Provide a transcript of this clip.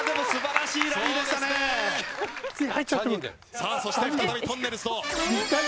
さあそして再びとんねるずと。